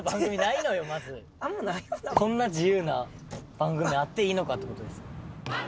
こんな自由な番組あっていいのかってことです。